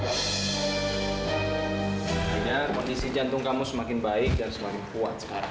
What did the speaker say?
sehingga kondisi jantung kamu semakin baik dan semakin kuat sekarang